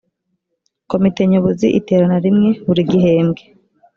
komite nyobozi iterana rimwe buri gihembwe